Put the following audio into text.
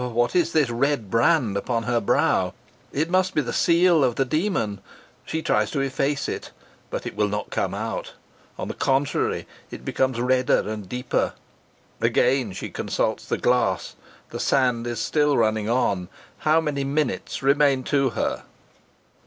what is this red brand upon her brow? It must be the seal of the demon. She tries to efface it but it will not come out. On the contrary, it becomes redder and deeper. Again she consults the glass. The sand is still running on. How many minutes remain to her?